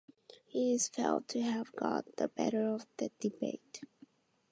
He is felt to have got the better of the debate.